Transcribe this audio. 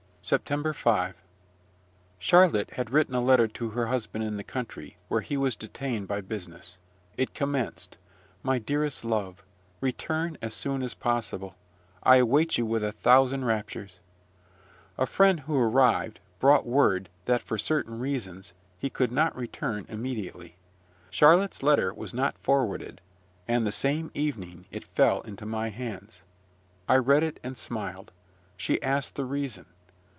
SEPTEMBER 5. Charlotte had written a letter to her husband in the country, where he was detained by business. It commenced, "My dearest love, return as soon as possible: I await you with a thousand raptures." A friend who arrived, brought word, that, for certain reasons, he could not return immediately. Charlotte's letter was not forwarded, and the same evening it fell into my hands. I read it, and smiled. She asked the reason.